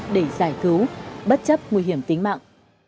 để giải cứu bất chấp nguy hiểm tính mạng